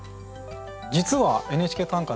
実は「ＮＨＫ短歌」